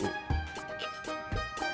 oh enggak be